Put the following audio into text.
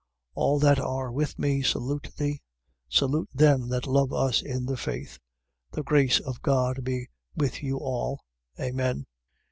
3:15. All that are with me salute thee. Salute them that love us in the faith. The grace of God be with you all. Amen.